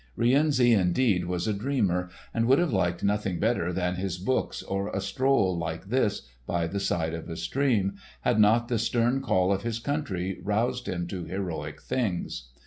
Rienzi, indeed, was a dreamer and would have liked nothing better than his books or a stroll like this by the side of a stream, had not the stern call of his country roused him to heroic things.